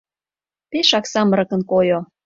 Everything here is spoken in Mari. Пешак самырыкын койо.